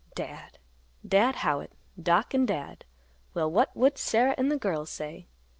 "Dad—Dad Howitt. Doc and Dad. Well, what would Sarah and the girls say?